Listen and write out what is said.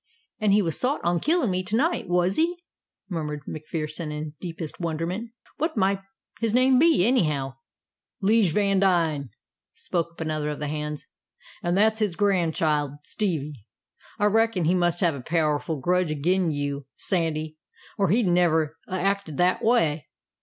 "An' he was sot on killin' me to night, was he?" murmured MacPherson in deepest wonderment. "What might his name be, anyhow?" "'Lije Vandine," spoke up another of the hands. "An' that's his grandchild, Stevie. I reckon he must have a powerful grudge agin you, Sandy, or he'd never 'a' acted that way."